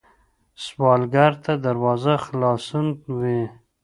سوالګر ته دروازه خلاصون وي